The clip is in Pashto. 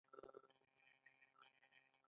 بابر د مغولي امپراتورۍ بنسټ کیښود.